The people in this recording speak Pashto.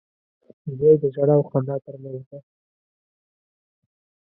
نجلۍ د ژړا او خندا تر منځ ده.